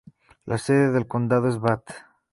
La sede del condado es Bath.